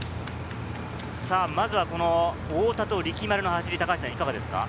まずはこの太田と力丸の走り、いかがですか？